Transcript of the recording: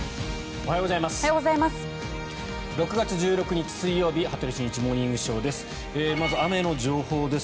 おはようございます。